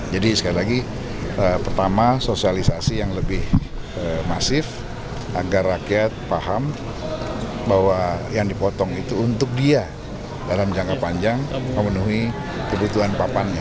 jadi sekali lagi pertama sosialisasi yang lebih masif agar rakyat paham bahwa yang dipotong itu untuk dia dalam jangka panjang memenuhi kebutuhan papannya